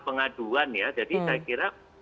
pengaduan ya jadi saya kira